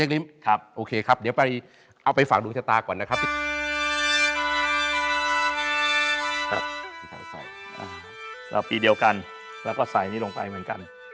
เราปีเดียวกันเราก็ใส่นี้ลงไปเหมือนกัน